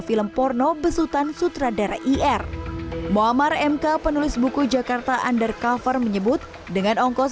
film porno besutan sutradara ir muammar mk penulis buku jakarta undercover menyebut dengan ongkos